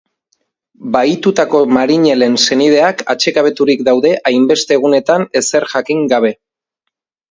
Bahitutako marinelen senideak atsekabeturik daude hainbeste egunetan ezer jakin gabe.